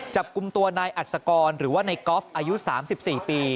จับกลุ่มตัวนายอัศกรหรือว่าในกอล์ฟอายุ๓๔ปี